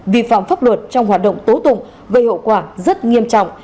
vi phạm pháp luật trong hoạt động tố tụng gây hậu quả rất nghiêm trọng